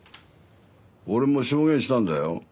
俺も証言したんだよ。